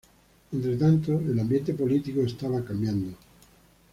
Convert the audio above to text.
Entretanto el ambiente político estaba cambiando.